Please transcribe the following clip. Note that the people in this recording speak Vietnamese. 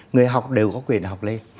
người học đều có quyền học lên